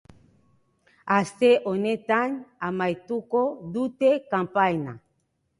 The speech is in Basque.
Aste honetan amaituko dute kanpaina.